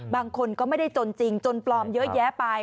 บางคนก็ไม่ได้จนจริงจนปลอมเยอะแยะไป